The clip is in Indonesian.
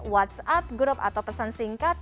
whatsapp group atau pesan singkat